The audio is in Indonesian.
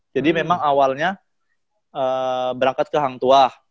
jadi memang awalnya berangkat ke hang tuah